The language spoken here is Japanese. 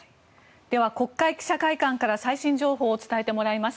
では国会記者会館から最新情報を伝えてもらいます。